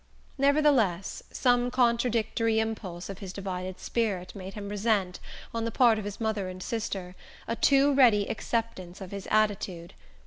Nevertheless, some contradictory impulse of his divided spirit made him resent, on the part of his mother and sister, a too ready acceptance of his attitude.